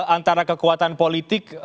antara kekuatan politik